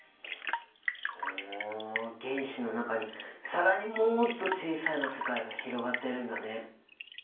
ほう原子の中に更にもっと小さな世界が広がってるんだね。